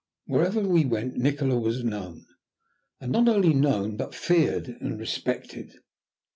Wherever we went Nikola was known, and not only known, but feared and respected.